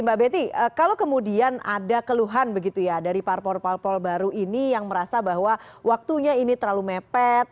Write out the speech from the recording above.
mbak betty kalau kemudian ada keluhan begitu ya dari parpol parpol baru ini yang merasa bahwa waktunya ini terlalu mepet